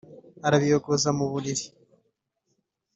Arabiyogoza mu buriri.